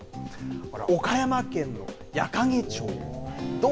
岡山県の矢掛町。